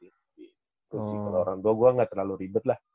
kalo orang tua gua ga terlalu ribet lah